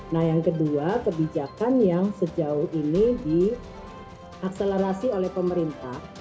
nah yang kedua kebijakan yang sejauh ini diakselerasi oleh pemerintah